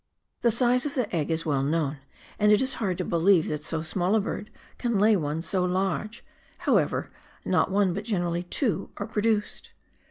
The size of the egg is well known, and it is hard to believe that so small a bird can lay one so large ; however, not one but generally two are produced.